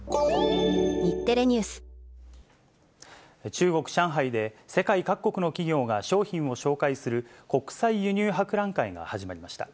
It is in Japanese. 中国・上海で世界各国の企業が商品を紹介する、国際輸入博覧会が始まりました。